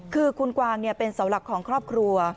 คือคุณกวางเป็นเสาหลักของครอบครัว